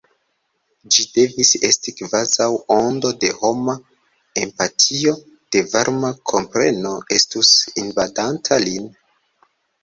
Ĝi devis esti kvazaŭ ondo de homa empatio, de varma kompreno estus invadanta lin.